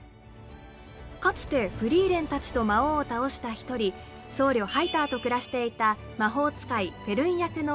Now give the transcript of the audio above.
かつてフリーレンたちと魔王を倒した一人僧侶ハイターと暮らしていた